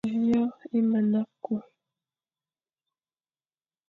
Vyo é mana kü,